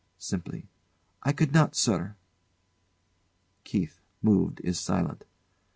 [Simply] I could not, sir. [KEITH, moved, is silent.